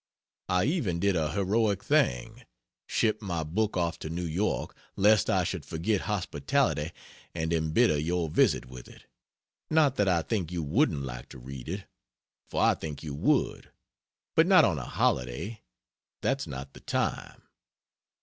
I even did a heroic thing: shipped my book off to New York lest I should forget hospitality and embitter your visit with it. Not that I think you wouldn't like to read it, for I think you would; but not on a holiday that's not the time.